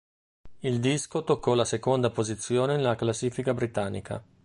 Il disco toccò la seconda posizione nella classifica britannica.